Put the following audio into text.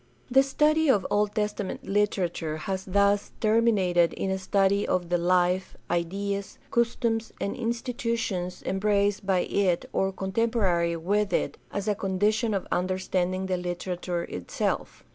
The study of Old Testament Hterature has thus termi nated in a study of the life, ideas, customs, and institutions embraced by it or contemporary with it as a condition of understanding the literature itself.